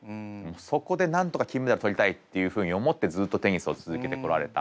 そこでなんとか金メダル取りたいっていうふうに思ってずっとテニスを続けてこられた。